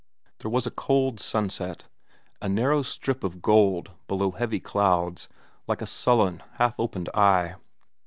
There was a cold sunset, a narrow strip of gold below heavy clouds, like a sullen, half open eye.